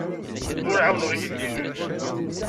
Ur ɛawneɣ igellilen.